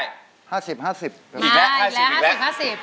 อีกแล้ว๕๐๕๐